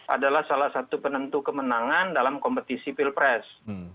adalah salah satu penentu kemenangan dalam kompetisi pilpres